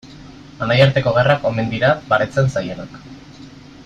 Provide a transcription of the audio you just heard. Anaiarteko gerrak omen dira baretzen zailenak.